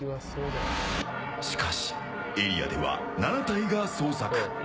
しかし、エリアでは７体が捜索。